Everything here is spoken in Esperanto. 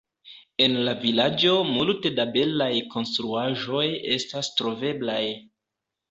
En la vilaĝo multe da belaj konstruaĵoj estas troveblaj.